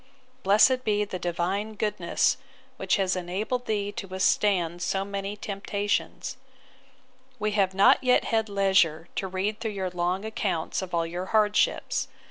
Blessed be the Divine goodness, which has enabled thee to withstand so many temptations! We have not yet had leisure to read through your long accounts of all your hardships.